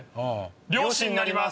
漁師になります。